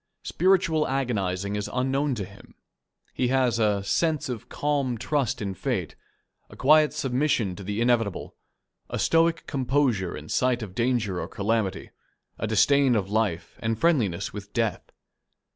Spiritual agonizing is unknown to him. He has a "sense of calm trust in fate, a quiet submission to the inevitable, a stoic composure in sight of danger or calamity, a disdain of life and friendliness with death."